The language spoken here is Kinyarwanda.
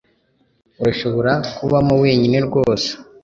Urashobora kubamo wenyine rwose